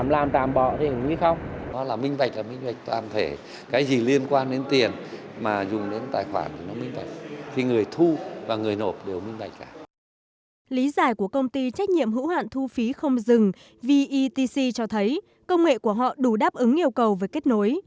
lý giải của công ty trách nhiệm hữu hạn thu phí không dừng vetc cho thấy công nghệ của họ đủ đáp ứng yêu cầu về kết nối